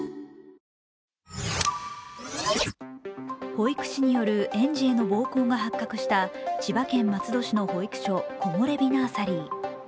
保育士による園児への暴行が発覚した千葉県松戸市の保育所、コモレビ・ナーサリー。